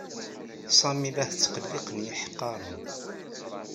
Sami la t-sqelliqen yiḥeqqaren.